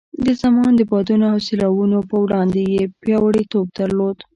د زمان د بادونو او سیلاوونو په وړاندې یې پیاوړتوب درلود.